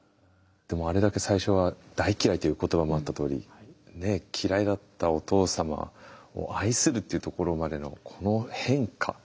でもあれだけ最初は大嫌いという言葉もあったとおりねえ嫌いだったお父様を愛するっていうところまでのこの変化。